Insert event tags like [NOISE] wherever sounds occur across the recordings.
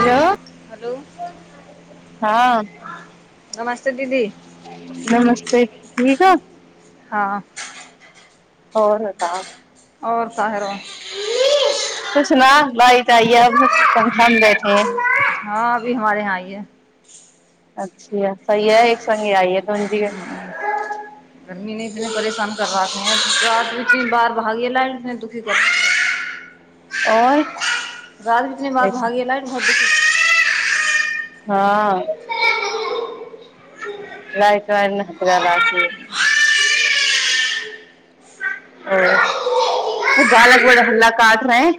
Hello hello हाँ नम दीदी नमस्ते ठीकह हँ हो ने त [UNINTELLIGIBLE] आओर स रह [UNINTELLIGIBLE] कुछ न लाइ त आइ घन बैठे है भी हमारे यहाँइ य [UNINTELLIGIBLE] [UNINTELLIGIBLE] आओर रति बिचने बाद भागे लाइ भ [UNINTELLIGIBLE] हँ लायकवार ने [UNINTELLIGIBLE] ओ बालक बड़ हल्ला काट रहे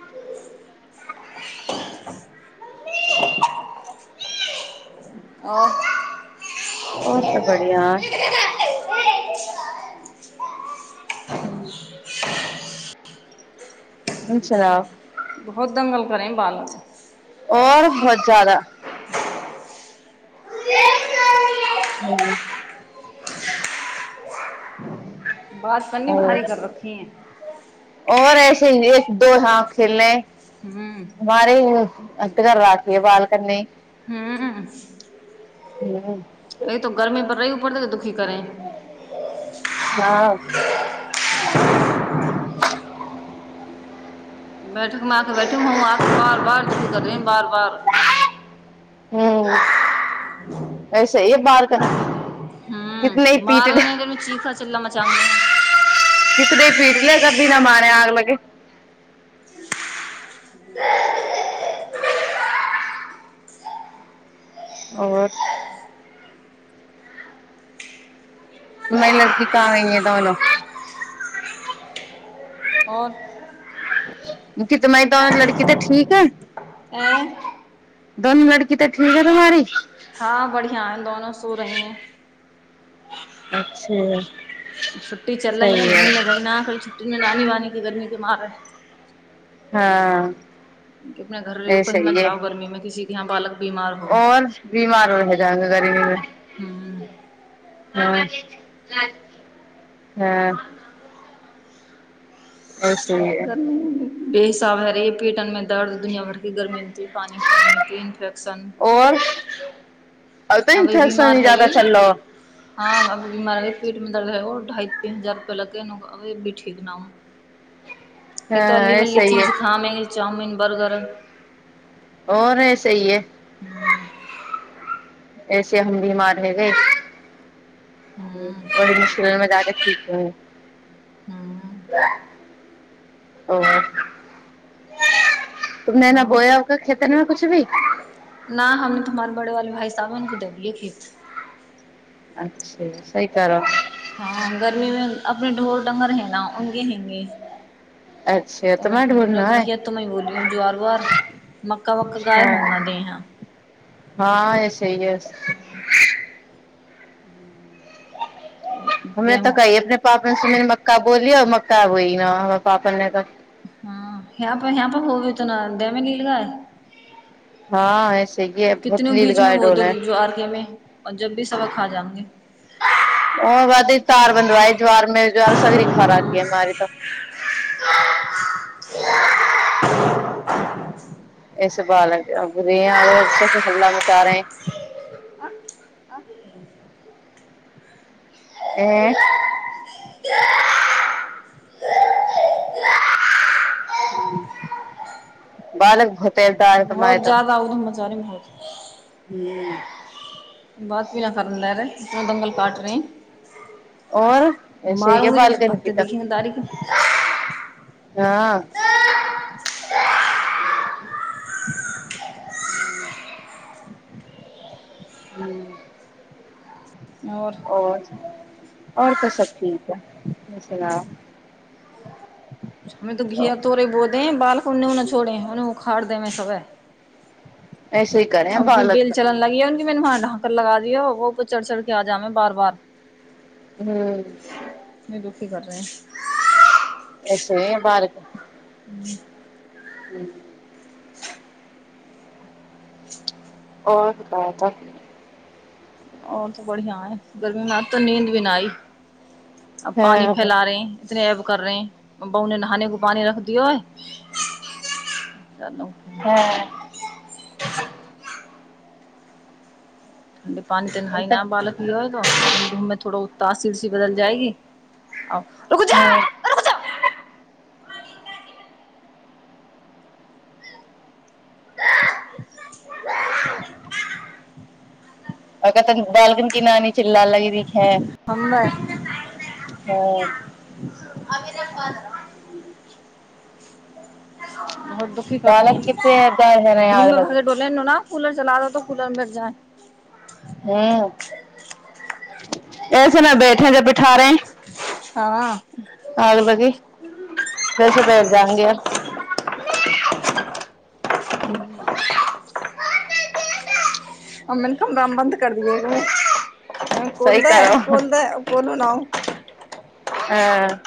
और आर तऽ बढ़िआ ह्म [UNINTELLIGIBLE] बहुत द्ंगल करै ह बालन आओर बहुत ज्यादा हँ [UNINTELLIGIBLE] बात पनी और बाहरी कर रखी हे और ऐसे ह एक दो हाथ खेलनेे हम्म बारे [INAUDIBLE] हूँ हम्म अभी त गर्मी हाँ [UNINTELLIGIBLE] [UNINTELLIGIBLE] बैठक मे आके बैठ बार बारी करे ह एसे एकबार क कितने हूँ पीट मारो ले नहि देर में चीखा चिल्ला मचाऊंगी कितने पीट ले क बिना मारय आग लगे आओर न एलड़की कवैंग तनो और तुम दोन लड़की तऽ ठीक है ए दोनो लड़की तऽ ठीक है तुम्हारी हाँ बढ़िया है दोनों सो रही हैं अच्छा छु्टी चल रहहि है घूमने कही न कही छुट्टीमे नानी वानी के गर्मी के मार है हँ अपने घर रह कही मन जाउ गर्मी मे किसी के यहाँ बालक बीमार हो और बीमार रह जाएंगे गर्मी हूं हँ हँ है गर्मी बेहिसाब ह रे पेटनमे दर्द दुनिया भर के गर्मी हतै पानी गमीतै इन्फेक्शन और अब तो अ इन्फेक्शन ही बीमार ह ज्यादा चल रहा हो अ बीमार ह प जमन्दार रह ओ ढ़ई तीन हजार रुपआ लगे ठीक न होय ई तो हाँ अली वली ऐसे ही है चीज खाबे चाउमिनन बर्गर आओर ऐसी ही है ऐसे हम बीमार हैगे बड़ी मुशकिलमे ज्यादे ठीक ह ओ तुमने न बोया ओकर खेत मे कुछ भी मालबड़े वाले भाइ साावन को दे दियए खेत अच्छा सही करो हँ गर्मीमे अपने ढोर ङंगर है ना औ गे हेंगे अच्छा तऽ तुम्हें बोल ढूंढना भै है ए तूमे बोलियौ जुआर वुआर मक्का वक्का गाय होन नहि अच्छा। देहँ हँ ऐसे ही है हम ने त गेहूँ कही अपने पाप से मक क बोलियऔ मकाबहि न हम पापल ने क हँ ह प ह प होब त ने डैमेज गेलल गाय हँ ही है बहुत कितनो लील बीच में गाय वो दो डोले है। जो आर के में आ जब भी सबक खा जाउंगे ह ओ बादे तार बदवाई ज्वार मे जार सगरी खारा की मी त इस बालक कैसे हला मचा रहे आ बालक होत बहुत ज ज्यादा उधमचारी बहुत [INAUDIBLE] हम्म बस पीला कर दे ले इतना दंगल काट रहे है और ऐसे ही है मारूंगे जब से बालकनी की भकते तक दिखेंगे दारी हँ ह ह्म और आर आओर तऽ सब ठीक हैम [INAUDIBLE] छोड़ तो घिया तोरे बहुत है बाल कोन ना छोड़े ओने उखाड़ देबे होबे है ऐसे ही करे है बालक कितने बार लगा दियो वो तो चढ़ चढ़ के आ जेबें है बार बार हम्म की कर रहे ह [UNINTELLIGIBLE] ह हम्म आओर बताब त आओर तू बढ़िया हैं रात भर नींद भी ना आई अब पानी हँ हँ फैला रहे है इतने ऐब कर रहे है बहुने नहाने को पानी रख दियो है हँ [UNINTELLIGIBLE] दी पान त अगर नहाय ना तक बालक [UNINTELLIGIBLE] रुक जा ह ओ क त बालकन की नानी चिल्लाने लगी हम नहि [UNINTELLIGIBLE] [UNINTELLIGIBLE] बहुत दुखी कर रहे बालक कितने डर है ह न आग धूमं लगे भगे डोले न न कूलर चला द त [UNINTELLIGIBLE] हू ऐसे मे बैठे जब बिठारे [UNINTELLIGIBLE] हँ [UNINTELLIGIBLE] [UNINTELLIGIBLE] ह कोन सही दे करो कोन दे कोन नओ हँ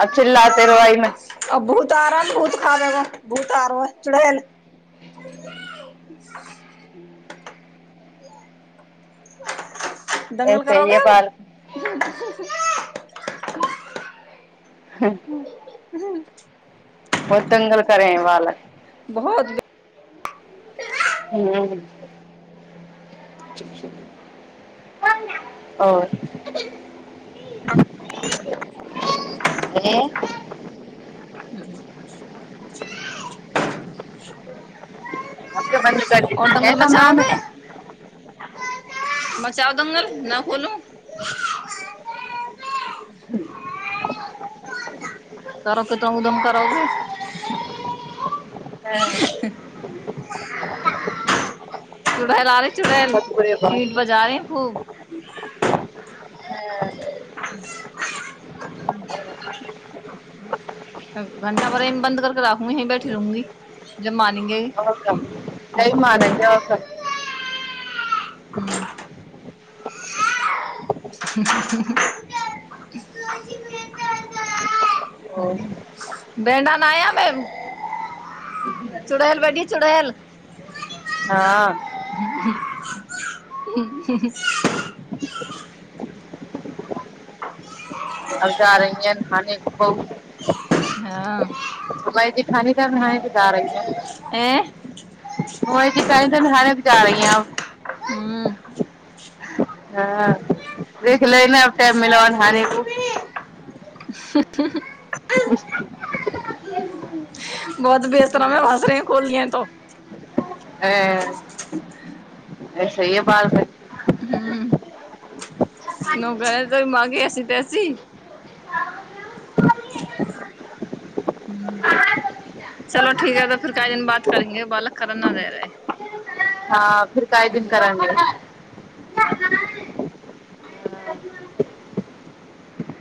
आ चिल्लााते रहोइमे तारा बहुत खाबे गो भूतारमे चूड़ैल दंगल ऐसे ये करोगे अब बाल हूँ ओतंगल करेह बालक बहुत [INAUDIBLE] ह आओर नहि [UNINTELLIGIBLE] ह्म बन्द कर द और है दंगल कमरामे मचाओगे मचाउ दंगल न खोलूं करो कितना उदम करोगे हैं, भ लरे बहुत बुरे बाल सीट बजा रहे हैं खूब हैं, [UNINTELLIGIBLE] घंटा बेमे बन्द करके राखू यही बैठी रहूंगी जब म आक दैमा नन आक हँ ओ, बेड नामे चुड़ैेल बैठी चुड़ैेल हँ हुं हुं [UNINTELLIGIBLE] अब जा रहि है खाने को बहु हँ भा जे खानी त नहइ त जा रही है एं ओ जी कली त न ही बजा री ह हुं हँ देख ले ने अब टाइम मिलवा नहाने को [UNINTELLIGIBLE] [UNINTELLIGIBLE] बहुत बेस्तरमे बसर खोलिया त ह सए बालमे नौकर है तो तेरी माँ की ऐसी कि तैसी चलो ठीक है तो फिर कइ दिन बात करेंगे बालक कर न दे रहे ह हँ फिर काय दिन करेंगे